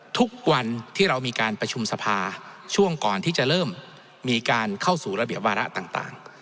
ทุกวันที่เรามีการประชุมสภาช่วงก่อนที่จะเริ่มมีการเข้าสู่ระเบียบวาระต่าง